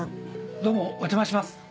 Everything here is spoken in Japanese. どうもお邪魔します。